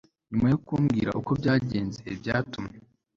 nyuma yo kumbwira uko byagenze byatumye